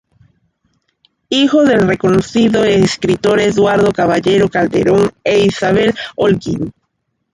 Hijo del reconocido escritor Eduardo Caballero Calderón e Isabel Holguín.